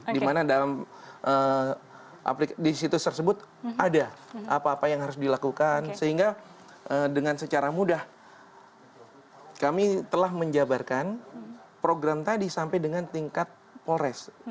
dimana dalam aplikasi di situs tersebut ada apa apa yang harus dilakukan sehingga dengan secara mudah kami telah menjabarkan program tadi sampai dengan tingkat polres